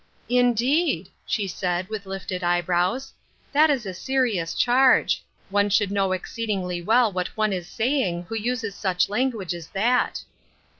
" Indeed !" she said, with lifted eyebrows, " that is a serious charge ; one should know exceedingly well what one is saying who uses such language as that."